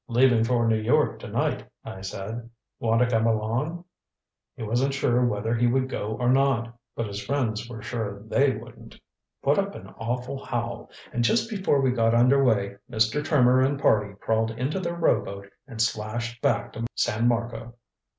'Leaving for New York to night,' I said. 'Want to come along?' He wasn't sure whether he would go or not, but his friends were sure they wouldn't. Put up an awful howl, and just before we got under way Mr. Trimmer and party crawled into their rowboat and splashed back to San Marco."